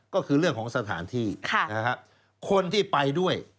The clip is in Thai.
ก็คือเรื่องของสถานที่คนที่ไปด้วย